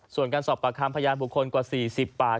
ส่วนการสอบปากคำพยานบุคคลกว่า๔๐ปาก